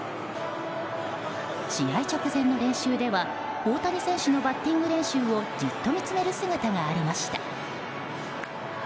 試合直前の練習では大谷選手のバッティング練習をじっと見つめる姿がありました。